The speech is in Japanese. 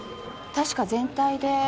確か全体で。